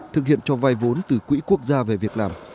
thực hiện cho vay vốn từ quỹ quốc gia về việc làm